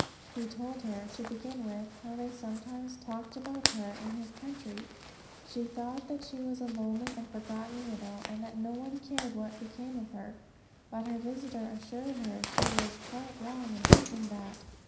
He told her, to begin with, how they sometimes talked about her in his country. She thought that she was a lonely and forgotten widow, and that no one cared what became of her. But her visitor assured her she was quite wrong in thinking that.